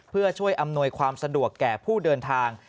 เพื่อช่วยอำนวยความสะดวกแก่ผู้เดินทาง